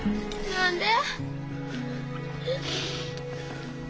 何で？